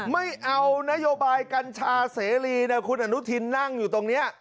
ไม่เอานโยบายกัญชาเสรีนะคุณอนุทินนั่งอยู่ตรงนี้